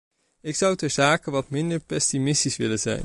Ik zou ter zake wat minder pessimistisch willen zijn.